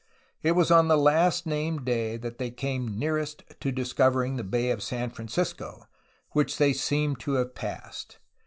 It was on the last named day that they came nearest to discovering the Bay of San Francisco, which they seem to have passed.